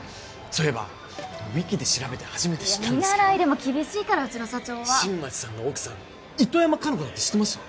そういえばウィキで調べて初めて知ったんですけどいや見習いでも厳しいからうちの社長は新町さんの奥さん糸山果奈子だって知ってました？